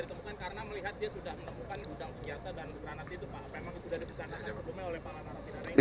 karena itu pak memang itu sudah ditemukan